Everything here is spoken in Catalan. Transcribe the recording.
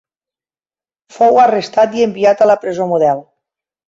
Fou arrestat i enviat a la presó Model.